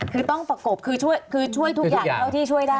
คือต้องประกบคือช่วยคือช่วยทุกอย่างเท่าที่ช่วยได้